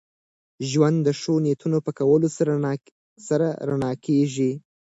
ژوند د ښو نیتونو په کولو سره رڼا کېږي.